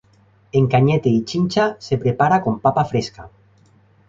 En Cañete y Chincha se prepara con papa fresca.